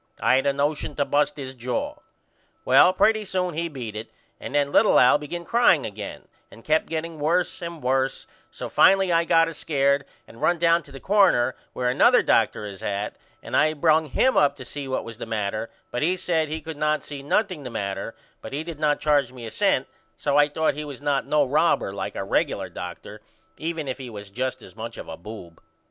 I had a nosion to bust his jaw. Well pretty soon he beat it and then little Al begin crying again and kept getting worse and worse so finally I got a scared and run down to the corner where another Dr. is at and I brung him up to see what was the matter but he said he could not see nothing the matter but he did not charge me a cent so I thought he was not no robber like our regular doctor even if he was just as much of a boob.